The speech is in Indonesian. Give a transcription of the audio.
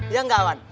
iya gak wan